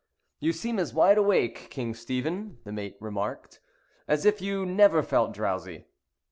"You seem as wide awake, King Stephen," the mate remarked, "as if you never felt drowsy."